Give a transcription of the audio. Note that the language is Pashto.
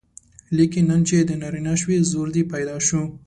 لیکن نن چې ته نارینه شوې زور دې پیدا شو.